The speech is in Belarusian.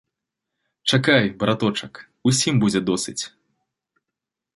Чакай, браточак, усім будзе досыць!